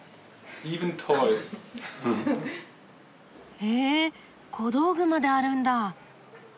へえ小道具まであるんだ。